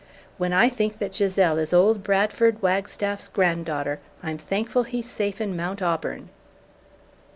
When I think that Gisele is old Bradford Wagstaff's grand daughter, I'm thankful he's safe in Mount Auburn!"